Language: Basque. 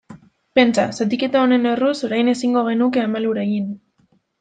Pentsa, zatiketa honen erruz, orain ezingo genuke Ama Lur egin.